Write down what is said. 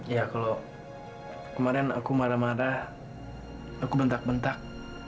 ya kalau kemarin aku marah marah aku bentak bentak